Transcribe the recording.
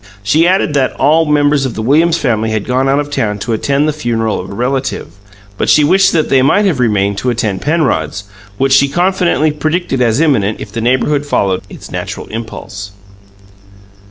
She added that all members of the Williams family had gone out of town to attend the funeral of a relative, but she wished that they might have remained to attend Penrod's, which she confidently predicted as imminent if the neighbourhood followed its natural impulse.